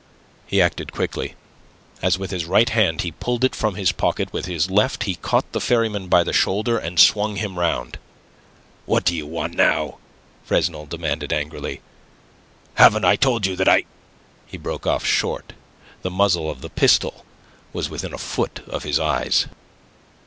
He acted quickly. As with his right hand he pulled it from his pocket, with his left he caught the ferryman by the shoulder, and swung him round. "What do you want now?" Fresnel demanded angrily. "Haven't I told you that I..." He broke off short. The muzzle of the pistol was within a foot of his eyes.